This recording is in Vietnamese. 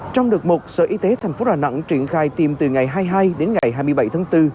trong đợt một sở y tế tp đà nẵng triển khai tiêm từ ngày hai mươi hai đến ngày hai mươi bảy tháng bốn